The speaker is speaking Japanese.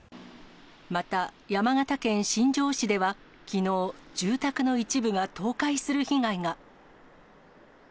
また、山形県新庄市ではきのう、住宅の一部が倒壊する被害が。